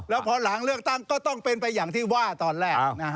แล้วพอหลังเลือกตั้งก็ต้องเป็นไปอย่างที่ว่าตอนแรก